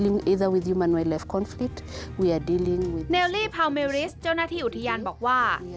เลี่พาวเมริสเจ้าหน้าที่อุทยานบอกว่า